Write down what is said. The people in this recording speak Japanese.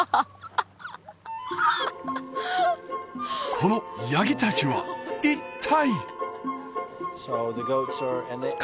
このヤギ達は一体？